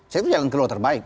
saya itu jalan keluar terbaik